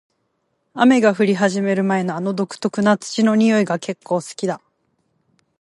雨が降り始める前の、あの独特な土の匂いが結構好きだ。